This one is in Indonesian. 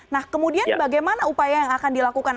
nah kemudian bagaimana upaya yang akan dilakukan